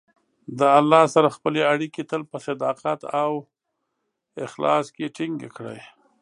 د الله سره خپلې اړیکې تل په صداقت او اخلاص کې ټینګې کړئ.